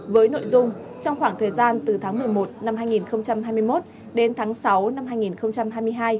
với nội dung trong khoảng thời gian từ tháng một mươi một năm hai nghìn hai mươi một đến tháng sáu năm hai nghìn hai mươi hai